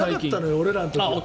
俺らの時。